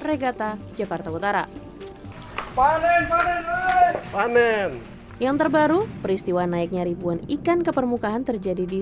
regata jakarta utara yang terbaru peristiwa naiknya ribuan ikan ke permukaan terjadi di